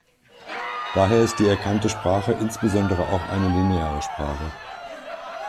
Daher ist die erkannte Sprache insbesondere auch eine lineare Sprache.